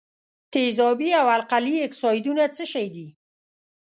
تیزابي او القلي اکسایدونه څه شی دي؟